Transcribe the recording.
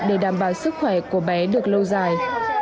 để đảm bảo sức khỏe của bé được lâu dài